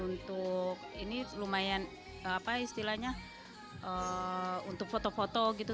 untuk ini lumayan apa istilahnya untuk foto foto gitu